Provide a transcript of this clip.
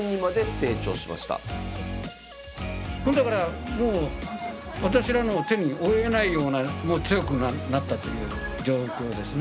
だからもう私らの手に負えないようなもう強くなったという状況ですね。